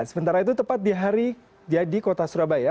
sementara itu tepat di hari jadi kota surabaya